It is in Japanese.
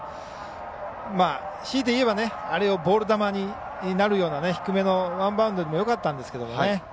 しいて言えばあれをボール球になるような低めのワンバウンドでもよかったんですが。